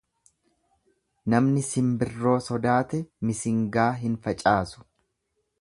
Namni simbirroo sodaate misingaa hin facaasu.